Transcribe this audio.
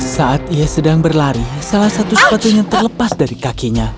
saat ia sedang berlari salah satu sepatunya terlepas dari kakinya